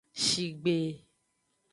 Shigbe.